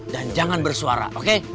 dan jangan bersuara oke